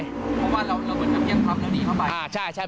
เพราะว่าเราเหมือนเขาเพียงพร้อมแล้วนี่เข้าไปอ่าใช่ใช่